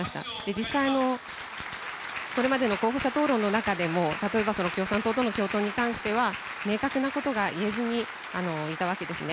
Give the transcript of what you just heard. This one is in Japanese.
実際、これまでの候補者討論の中でも、例えば、共産党との共闘に関しては、明確なことが言えずにいたわけですね。